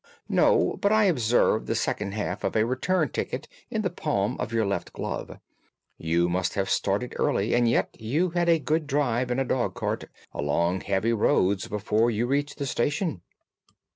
"No, but I observe the second half of a return ticket in the palm of your left glove. You must have started early, and yet you had a good drive in a dog cart, along heavy roads, before you reached the station."